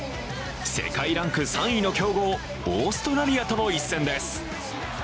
世界ランク３位の強豪・オーストラリアとの一戦です。